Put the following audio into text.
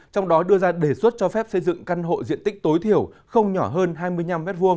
trong đó đưa ra đề xuất cho phép xây dựng căn hộ diện tích tối thiểu không nhỏ hơn hai mươi năm m hai